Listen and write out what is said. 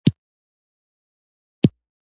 دغه محصول باید دوی اخیستی وای.